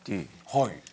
はい。